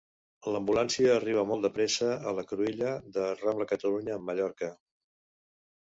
L'ambulància arriba molt de pressa a la cruïlla de Rambla Catalunya amb Mallorca.